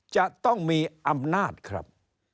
จะต้องมีอำนาจครับ